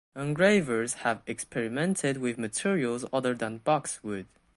Engravers have experimented with materials other than boxwood.